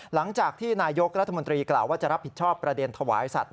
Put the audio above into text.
หลังจากที่นายกรัฐมนตรีกล่าวว่าจะรับผิดชอบประเด็นถวายสัตว